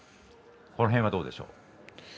この辺はどうでしょう？